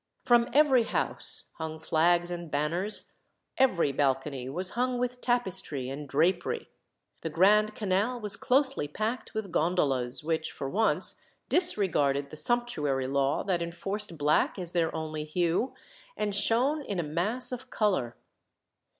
From every house hung flags and banners, every balcony was hung with tapestry and drapery. The Grand Canal was closely packed with gondolas, which, for once, disregarded the sumptuary law that enforced black as their only hue, and shone in a mass of colour.